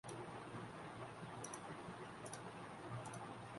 مکمل سفر نامے نہیں کھلائے جا سکتے